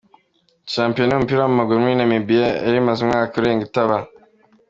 Shampiyona y'umupira w'amaguru muri Namibia yari imaze umwaka urenga itaba.